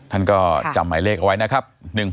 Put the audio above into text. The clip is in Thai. ท่านก็จำหมายเลขเอาไว้นะครับ